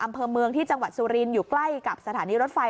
อำเภอเมืองที่จังหวัดสุรินทร์อยู่ใกล้กับสถานีรถไฟ